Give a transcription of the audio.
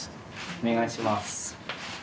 お願いします。